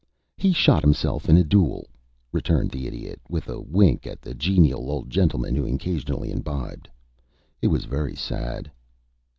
"He shot himself in a duel," returned the Idiot, with a wink at the genial old gentleman who occasionally imbibed. "It was very sad."